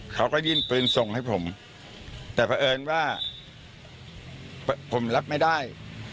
เขาก็ยื่นปืนส่งให้ผมแต่เพราะเอิญว่าผมรับไม่ได้